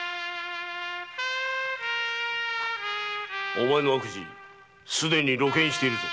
お前の悪事すでに露見しているぞ。